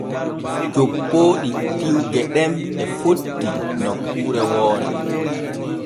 Coppooɗi tiwge ɗen e fotti nokkuure woore.